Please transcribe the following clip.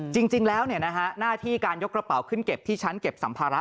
จริงแล้วหน้าที่การยกกระเป๋าขึ้นเก็บที่ชั้นเก็บสัมภาระ